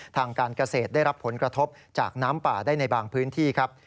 ทางการเกษตรได้รับผลกระทบจากน้ำป่าได้ในบางพื้นที่ครับ